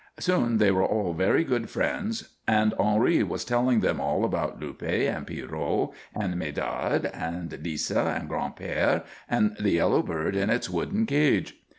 Soon they were all very good friends and Henri was telling them all about Luppe and Pierrot and Medard and Lisa and Gran'père and the yellow bird in its wooden cage.